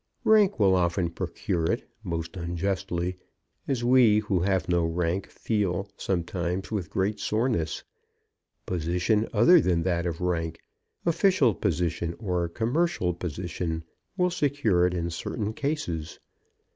Rank will often procure it; most unjustly, as we, who have no rank, feel sometimes with great soreness. Position other than that of rank, official position or commercial position, will secure it in certain cases.